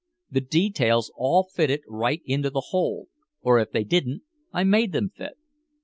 The details all fitted right into the whole, or if they didn't I made them fit.